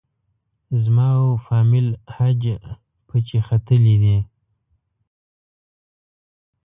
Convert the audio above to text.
زما او فامیل حج پچې ختلې دي.